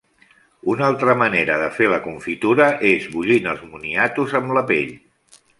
Una altra manera de fer la confitura és bullint els moniatos amb la pell.